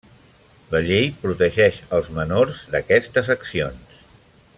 La llei protegeix els menors d'aquestes accions.